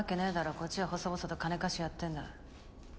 こっちは細々と金貸しやってんだ。